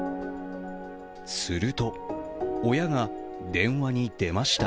すると、親が電話に出ました。